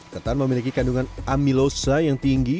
ketan memiliki kandungan amilosa yang tinggi